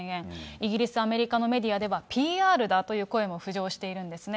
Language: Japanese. イギリス、アメリカのメディアでは、ＰＲだという声も浮上しているんですね。